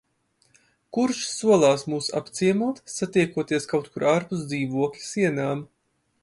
Kurš solās mūs apciemot, satiekoties kaut kur ārpus dzīvokļa sienām.